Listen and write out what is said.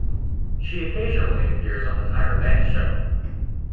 She occasionally appears on "The Tyra Banks Show".